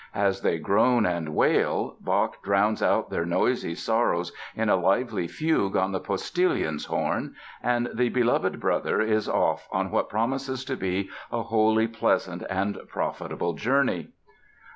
As they groan and wail Bach drowns out their noisy sorrows in a lively fugue on the postillion's horn; and the "beloved brother" is off on what promises to be a wholly pleasant and profitable journey.